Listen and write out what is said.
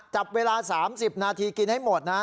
จับเวลา๓๐นาทีกินให้หมดนะ